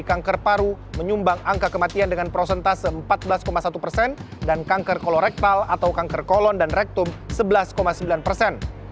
kanker paru menyumbang angka kematian dengan prosentase empat belas satu persen dan kanker kolorektal atau kanker kolon dan rektum sebelas sembilan persen